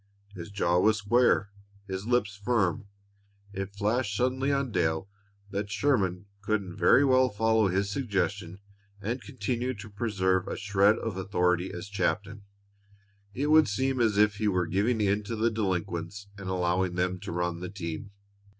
His jaw was square; his lips firm. It flashed suddenly on Dale that Sherman couldn't very well follow his suggestion and continue to preserve a shred of authority as captain. It would seem as if he were giving in to the delinquents and allowing them to run the team.